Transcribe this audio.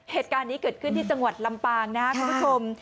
เหตุการณ์นี้เกิดขึ้นที่จังหวัดลำปางนะครับคุณผู้ชม